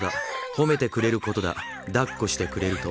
褒めてくれることだだっこしてくれる」と。